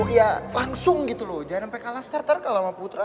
oh ya langsung gitu loh jangan sampai kalah starter kalau sama putra